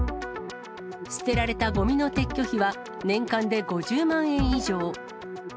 捨てられたごみの撤去費は、年間で５０万円以上。